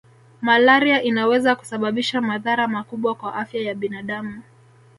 Malaria inaweza kusababisha madhara makubwa kwa afya ya binadamu